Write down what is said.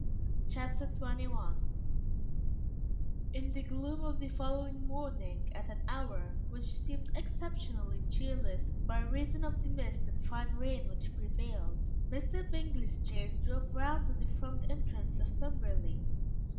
Chapter XXI In the gloom of the following morning, at an hour which seemed exceptionally cheerless by reason of the mist and fine rain which prevailed, Mr. Bingley's chaise drove round to the front entrance of Pemberley.